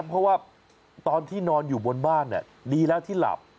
เพราะว่าตอนที่นอนอยู่บนบ้านดีแล้วที่หลับ